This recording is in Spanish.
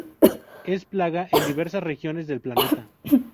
Es plaga en diversas regiones del planeta.